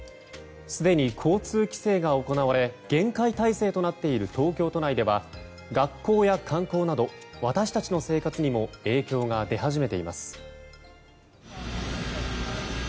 すでに交通規制が行われ厳戒態勢となっている東京都内では学校や観光など私たちの生活にも影響が出始めています。